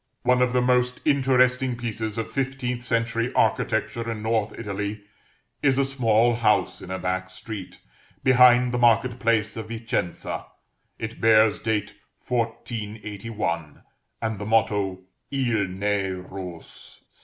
One of the most interesting pieces of fifteenth century architecture in North Italy, is a small house in a back street, behind the market place of Vicenza; it bears date 1481, and the motto, _Il. n'est. rose.